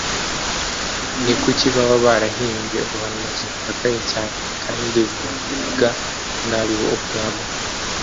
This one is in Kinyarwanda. ni kuki baba barahimbye ubuhanuzi bukakaye cyane kandi bubavuga nabi bo ubwabo